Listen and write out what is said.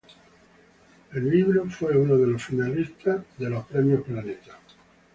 El libro fue uno de los finalistas de los National Book Awards.